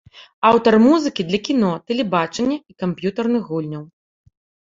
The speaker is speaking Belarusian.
Аўтар музыкі для кіно, тэлебачання і камп'ютарных гульняў.